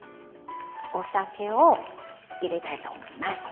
お酒を入れたいと思います。